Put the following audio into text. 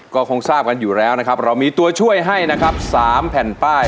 ก็คงทราบกันอยู่แล้วนะครับเรามีตัวช่วยให้นะครับ๓แผ่นป้าย